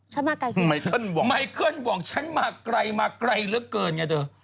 ฉันมาไกลเครียงนี้มายเขินหวังฉันมาไกลมาไกลแล้วเกินไงเถอะ